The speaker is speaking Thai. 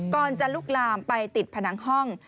จะลุกลามไปติดผนังห้อง